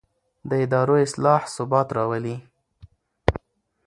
د ادارو اصلاح ثبات راولي